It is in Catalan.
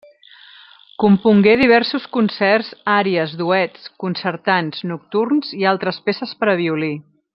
Compongué diversos concerts, àries, duets, concertants, nocturns i altres peces per a violí.